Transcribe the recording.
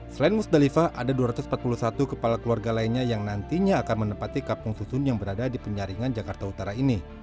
selain musdalifah ada dua ratus empat puluh satu kepala keluarga lainnya yang nantinya akan menempati kampung susun yang berada di penyaringan jakarta utara ini